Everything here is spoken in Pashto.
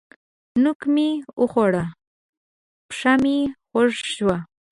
نوک مې وخوړ؛ پښه مې خوږ شوه.